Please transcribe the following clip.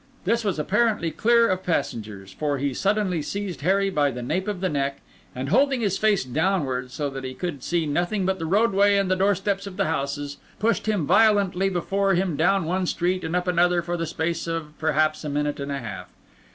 This was apparently clear of passengers; for he suddenly seized Harry by the nape of the neck, and holding his face downward so that he could see nothing but the roadway and the doorsteps of the houses, pushed him violently before him down one street and up another for the space of perhaps a minute and a half.